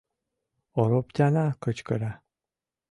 — Ороптяна кычкыра.